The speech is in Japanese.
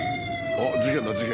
あっ事件だ事件。